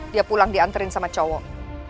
dia pulang diantarin sama cowok